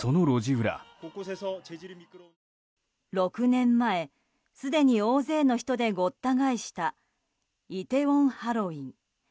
６年前、すでに大勢の人でごった返したイテウォンハロウィーン。